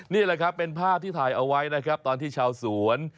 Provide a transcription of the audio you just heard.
นี่แหละครับเป็นภาพที่ถ่ายเอาไว้นะครับตอนที่ชาวสวน